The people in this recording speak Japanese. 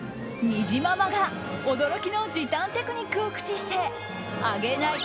にじままが驚きの時短テクニックを駆使して揚げない！